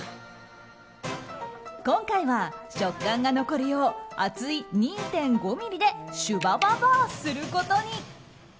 今回は食感が残るよう厚い２．５ｍｍでしゅばばばぁすることに。